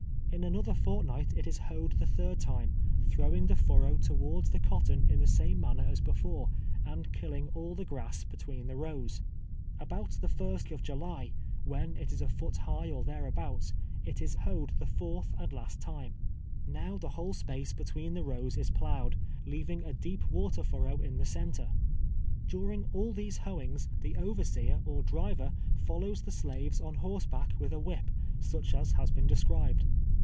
In another fortnight it is hoed the third time, throwing the furrow towards the cotton in the same manner as before, and killing all the grass be tween the rows. About the first of July, when it is a foot high or thereabouts, it is hoed the fourth and last time, Kow the whole space between the rows COTTOX GROWING. 1G5 is plouglied, leaving a deep water furrow in tlie center. During all these lioeings the overseer or driver follows the slaves on horseback with a whip, such as has been described.